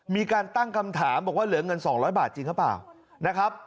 มีการตั้งคำถามบอกว่าเหลือเงิน๒๐๐บาทจริงหรือเปล่านะครับ